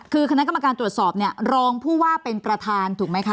คือคณะกรรมการตรวจสอบเนี่ยรองผู้ว่าเป็นประธานถูกไหมคะ